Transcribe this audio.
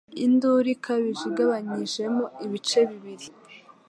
induru ikabije igabanyijemo ibice bibiri